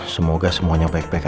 semoga semuanya baik baik